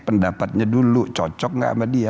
tempatnya dulu cocok gak sama dia